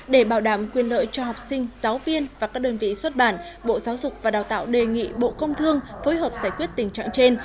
để bảo đảm quyền lợi cho học sinh giáo viên và các đơn vị xuất bản bộ giáo dục và đào tạo đề nghị bộ công thương phối hợp giải quyết tình trạng trên